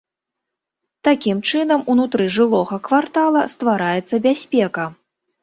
Такім чынам унутры жылога квартала ствараецца бяспека.